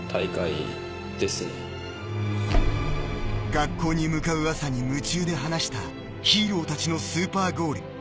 学校に向かう朝に夢中で話したヒーローたちのスーパーゴール。